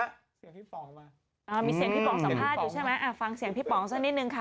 เสียงพี่ป๋องมาอ่ามีเสียงพี่ป๋องสัมภาษณ์อยู่ใช่ไหม